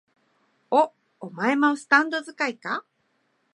お、お前もスタンド使いか？